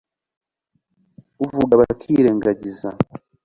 uvuga, bakirengagiza